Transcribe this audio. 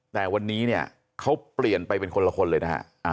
แต่วันนี้เนี่ยเขาเปลี่ยนไปเป็นคนละคนเลยนะฮะ